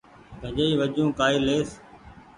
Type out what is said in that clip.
ڀجئي وجون ڪآئي ليئس